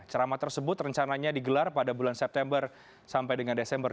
ceramah tersebut rencananya digelar pada bulan september sampai dengan desember dua ribu delapan belas